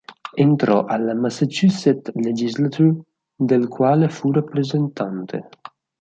Entrò alla Massachusetts Legislature del quale fu rappresentante.